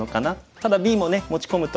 ただＢもね持ち込むと。